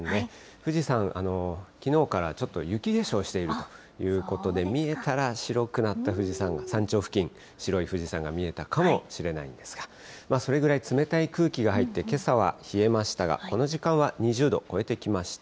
富士山、きのうからちょっと、雪化粧しているということで、見えたら白くなった富士山が、山頂付近、白い富士山が見えたかもしれないんですが、それぐらい冷たい空気が入って、けさは冷えましたが、この時間は２０度を超えてきました。